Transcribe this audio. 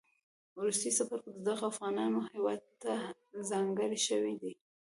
وروستی څپرکی د دغو افغانانو هیواد تهځانګړی شوی دی